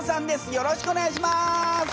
よろしくお願いします！